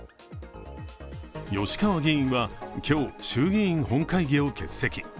吉川議員は今日、衆議院本会議を欠席。